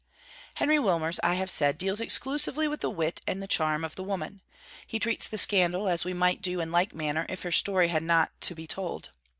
Henry Wilmers, I have said, deals exclusively with the wit and charm of the woman. He treats the scandal as we might do in like manner if her story had not to be told.